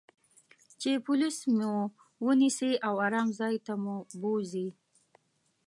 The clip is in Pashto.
چې پولیس مو و نییسي او آرام ځای ته مو بوزي.